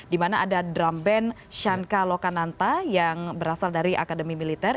di mana ada drum band shanka lokananta yang berasal dari akademi militer